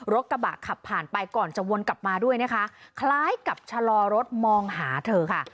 กระบะขับผ่านไปก่อนจะวนกลับมาด้วยนะคะคล้ายกับชะลอรถมองหาเธอค่ะ